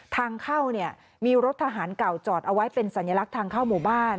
ทางเข้าเนี่ยมีรถทหารเก่าจอดเอาไว้เป็นสัญลักษณ์ทางเข้าหมู่บ้าน